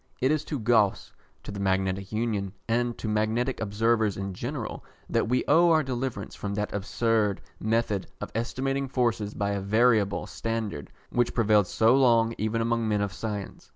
It is to Gauss, to the Magnetic Union, and to magnetic observers in general, that we owe our deliverance from that absurd method of estimating forces by a variable standard which prevailed so long even among men of science.